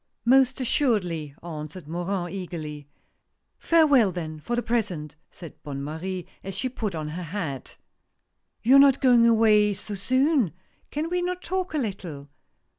" Most assuredly," answered Morin, eagerly. " Farewell, then, for the present," said Bonne Marie, as she put on her hat. " You are not going away so soon? Can we not talk a little?"